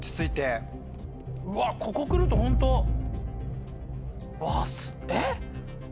うわここ来るとホントわぁ。